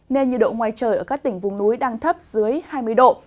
nên nhiệt độ ngoài trời ở các tỉnh vùng núi đang thấp dưới hai mươi độ